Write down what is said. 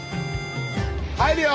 入るよ！